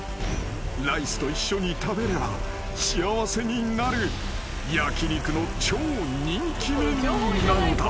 ［ライスと一緒に食べれば幸せになる焼き肉の超人気メニューなのだ］